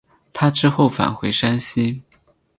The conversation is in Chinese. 他之后返回山西。